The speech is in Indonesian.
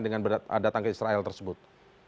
dengan datang ke israel tersebut